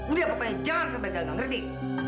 udah pokoknya jangan sampai gagal ngerti